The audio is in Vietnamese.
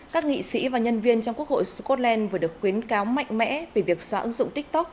các nghị sĩ và nhân viên trong quốc hội scotland vừa được khuyến cáo mạnh mẽ về việc xóa ứng dụng tiktok